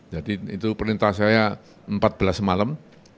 jadi itu perintah saya empat belas malam